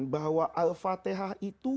bahwa al fatihah itu